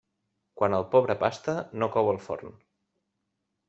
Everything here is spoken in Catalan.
Quan el pobre pasta, no cou el forn.